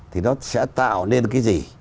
thì nó sẽ tạo nên cái gì